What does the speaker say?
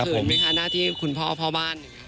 เหนิดนี้ค่ะหน้าที่คุณพ่อพ่อบ้าน